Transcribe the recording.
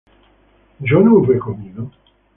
¿yo no hube comido?